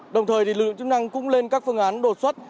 đồng thời thì lực lượng chức năng cũng lên các phương án đột xuất